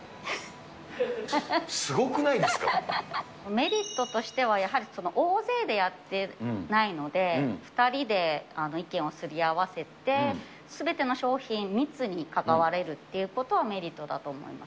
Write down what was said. メリットとしてはやはり大勢でやってないので、２人で意見をすり合わせて、すべての商品、密に関われるっていうことはメリットだと思います。